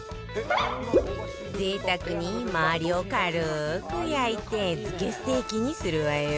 贅沢に周りを軽く焼いて漬けステーキにするわよ